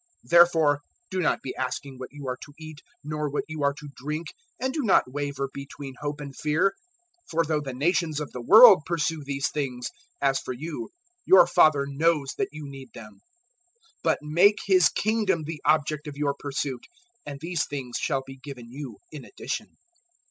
012:029 "Therefore, do not be asking what you are to eat nor what you are to drink; and do not waver between hope and fear. 012:030 For though the nations of the world pursue these things, as for you, your Father knows that you need them. 012:031 But make His Kingdom the object of your pursuit, and these things shall be given you in addition.